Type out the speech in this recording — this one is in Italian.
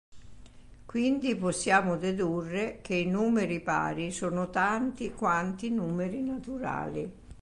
Quindi possiamo dedurre che i numeri pari sono tanti quanti i numeri naturali.